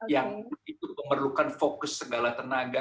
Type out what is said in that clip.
yang itu memerlukan fokus segala tenaga